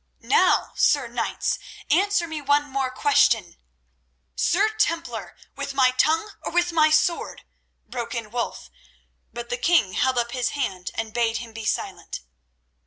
Now, Sir Knights, answer me one more question—" "Sir Templar, with my tongue or with my sword?" broke in Wulf, but the king held up his hand and bade him be silent.